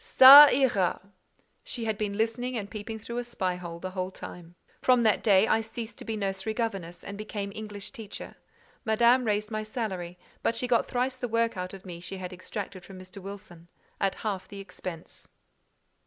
"Ca ira." She had been listening and peeping through a spy hole the whole time. From that day I ceased to be nursery governess, and became English teacher. Madame raised my salary; but she got thrice the work out of me she had extracted from Mr. Wilson, at half the expense.